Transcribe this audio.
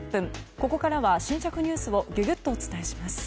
ここからは新着ニュースをギュギュッとお伝えします。